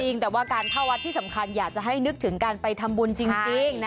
จริงแต่ว่าการเข้าวัดที่สำคัญอยากจะให้นึกถึงการไปทำบุญจริงนะ